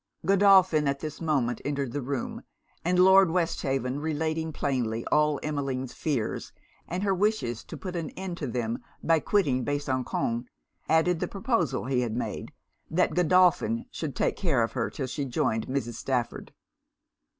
Godolphin at this moment entered the room; and Lord Westhaven relating plainly all Emmeline's fears, and her wishes to put an end to them by quitting Besançon, added the proposal he had made, that Godolphin should take care of her till she joined Mrs. Stafford.